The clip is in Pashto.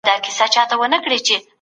بې ځایه ارادې نه پوره کېږي.